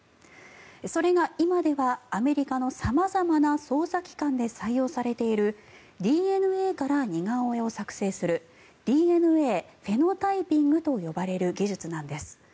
それが今ではアメリカの様々な捜査機関で採用されているＤＮＡから似顔絵を作成するＤＮＡフェノタイピングと呼ばれる技術なんです。